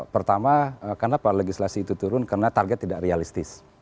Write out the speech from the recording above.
pertama kenapa legislasi itu turun karena target tidak realistis